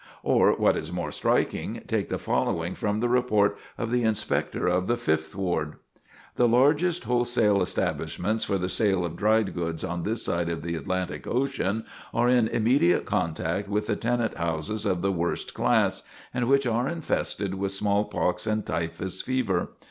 Or, what is more striking, take the following from the report of the Inspector of the Fifth Ward: "The largest wholesale establishments for the sale of dry goods on this side of the Atlantic Ocean are in immediate contact with the tenant houses of the worst class, and which are infested with smallpox and typhus fever.